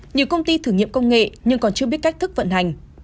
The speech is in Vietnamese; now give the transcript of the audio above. nhiều công ty thử nghiệm công nghệ nhưng còn chưa biết cách thức vận hành